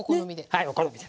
はいお好みで！